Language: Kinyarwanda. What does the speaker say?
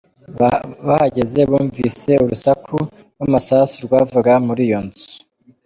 Bahageze bumvise urusaku rwamasasu rwavaga muri iyo nzu.